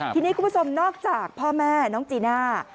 ทีนี้คุณผู้ชมนอกจากพ่อแม่น้องจีน่า